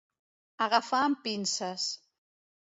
Agafar amb pinces.